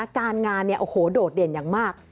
การงานเนี่ยโอ้โหโดดเด่นอย่างมาก